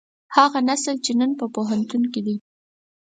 هغه نسل چې نن په پوهنتون کې دی.